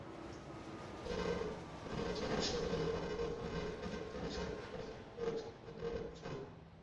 冥界是阎罗王判决幽灵转生或成佛之前幽灵逗留的场所。